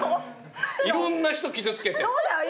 いろんな人傷つけて。